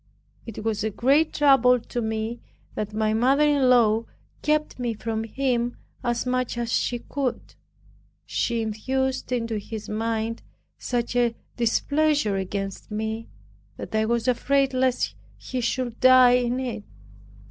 It was a great trouble to me, that my mother in law kept me from him as much as she could. She infused into his mind such a displeasure against me, that I was afraid lest he should die in it.